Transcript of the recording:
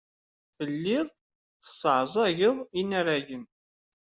Telliḍ tesseɛẓageḍ inaragen.